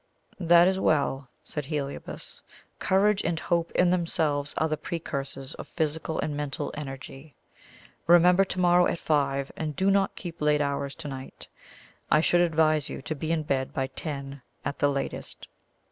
"That is well," said Heliobas. "Courage and hope in themselves are the precursors of physical and mental energy. Remember to morrow at five, and do not keep late hours to night. I should advise you to be in bed by ten at the latest."